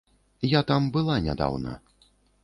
Я там была нядаўна.